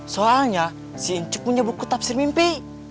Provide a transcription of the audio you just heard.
soalnya si incuk punya buku tafsir mimpi